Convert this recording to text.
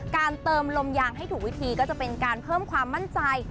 เติมลมยางให้ถูกวิธีก็จะเป็นการเพิ่มความมั่นใจ